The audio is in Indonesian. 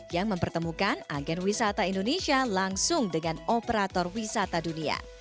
yang mempertemukan agen wisata indonesia langsung dengan operator wisata dunia